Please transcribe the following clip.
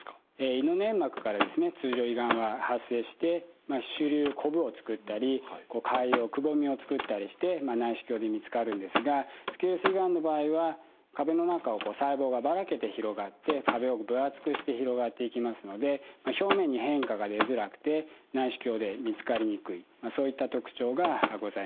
胃の粘膜からですね通常胃がんは発生して腫りゅうこぶを作ったり潰瘍くぼみを作ったりして内視鏡で見つかるんですがスキルス胃がんの場合は壁の中を細胞がばらけて広がって壁を分厚くして広がっていきますので表面に変化が出づらくて内視鏡で見つかりにくいそういった特徴がございます。